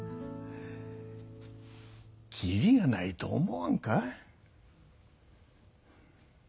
切りがないと思わんか？